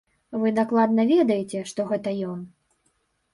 Вы дакладна ведаеце, што гэта ён?